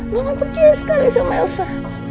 mama percaya sekali sama elsa